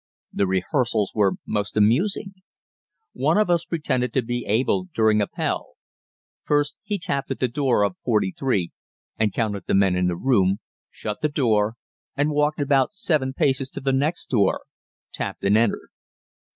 The rehearsals were most amusing. One of us pretended to be Abel doing Appell. First he tapped at the door of 43 and counted the men in the room, shut the door and walked about 7 paces to the next door, tapped and entered.